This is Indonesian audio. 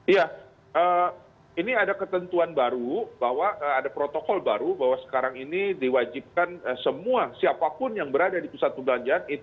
iya ini ada ketentuan baru bahwa ada protokol baru bahwa sekarang ini diwajibkan semua siapapun yang berada di pusat perbelanjaan